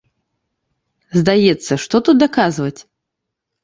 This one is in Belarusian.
Здаецца, што тут даказваць?